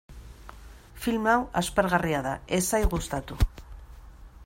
Film hau aspergarria da, ez zait gustatu.